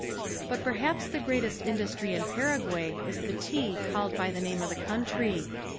But perhaps the greatest industry in Paraguay is the tea called by the name of the country.